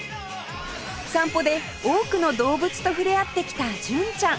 散歩で多くの動物と触れ合ってきた純ちゃん